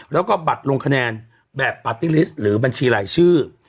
แล้วก็บัตรลงคะแนนแบบปาร์ตี้ลิสต์หรือบัญชีรายชื่อ